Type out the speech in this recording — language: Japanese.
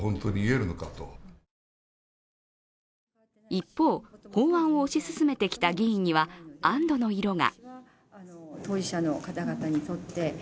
一方、法案を推し進めてきた議員には安どの色が。